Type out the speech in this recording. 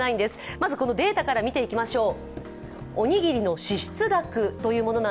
まずデータから見ていきましょう。